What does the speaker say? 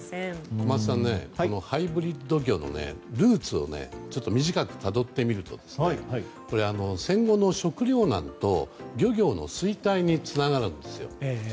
小松さんこのハイブリッド魚のルーツを短くたどってみると戦後の食糧難と漁業の衰退につながるんですよ。